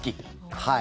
はい。